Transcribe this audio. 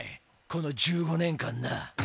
この１５年間な。